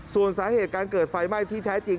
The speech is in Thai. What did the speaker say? ส่วนสาเหตุการเกิดไฟไหม้ที่แท้จริง